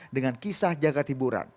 dengan kisah jaga tiburan